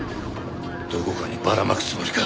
どこかにばらまくつもりか。